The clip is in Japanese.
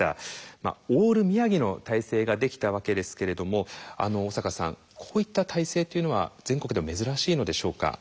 オール宮城の体制ができたわけですけれども小坂さんこういった体制っていうのは全国でも珍しいのでしょうか？